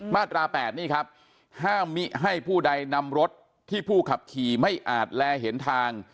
มาตรา๘นี่ครับห้ามมิให้ผู้ใดนำรถที่ผู้ขับขี่ไม่อาจแลเห็นทาง